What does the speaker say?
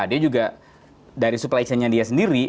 dia juga dari supply chain nya dia sendiri